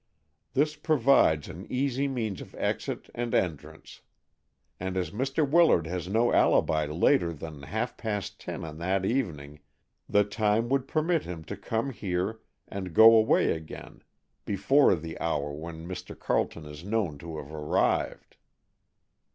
This provides an easy means of exit and entrance, and as Mr. Willard has no alibi later than half past ten on that evening, the time would permit him to come here and go away again before the hour when Mr. Carleton is known to have arrived."